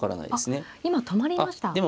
あっ今止まりました。